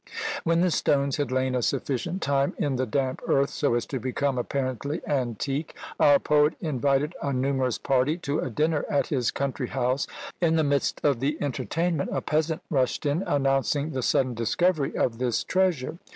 When the stones had lain a sufficient time in the damp earth, so as to become apparently antique, our poet invited a numerous party to a dinner at his country house; in the midst of the entertainment a peasant rushed in, announcing the sudden discovery of this treasure!